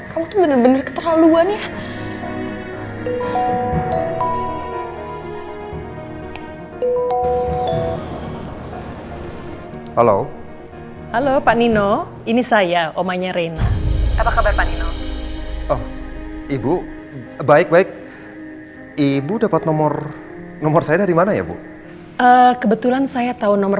kamu tuh bener bener keterlaluan ya